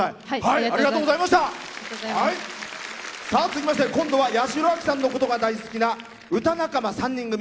続きまして、今度は八代亜紀さんのことが大好きな仲間３人組。